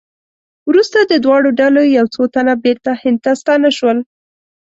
وروسته د دواړو ډلو یو څو تنه بېرته هند ته ستانه شول.